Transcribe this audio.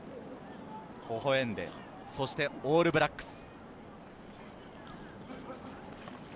ほほ笑んで、そしてオールブラックス。